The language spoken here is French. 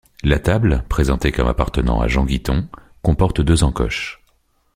La table, présentée comme appartenant à Jean Guiton, comporte deux encoches.